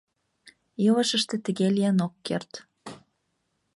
Илышыште тыге лийын ок керт.